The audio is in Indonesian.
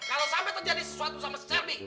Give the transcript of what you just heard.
kalau sampai terjadi sesuatu sama si selvi